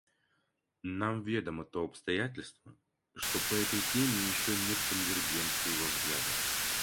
Нам ведомо то обстоятельство, что по этой теме еще нет конвергенции во взглядах.